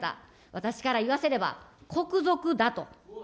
私から言わせれば、国賊だと。